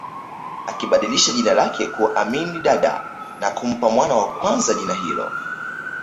Akibadilisha jina lake kuwa Amin Dada na kumpa mwana wa kwanza jina hilo